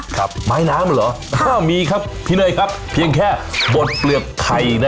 ครับไม้น้ำเหรอถ้ามีครับพี่เนยครับเพียงแค่บดเปลือกไข่นะ